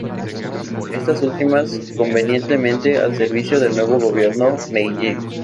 Estas últimas convenientemente al servicio del nuevo gobierno Meiji.